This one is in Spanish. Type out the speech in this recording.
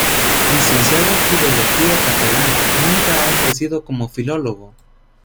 Licenciado en filología catalana, nunca ha ejercido como filólogo.